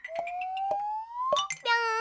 ぴょん！